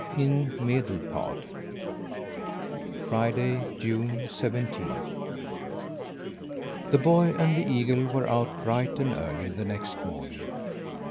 IN MEDELPAD Friday, June seventeenth. The boy and the eagle were out bright and early the next morning.